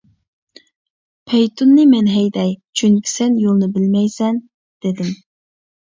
-پەيتۇننى مەن ھەيدەي، چۈنكى سەن يولنى بىلمەيسەن، -دېدىم.